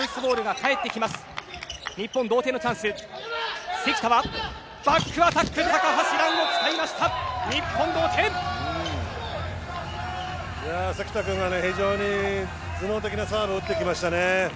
関田君は非常に頭脳的なサーブを打ってきましたね。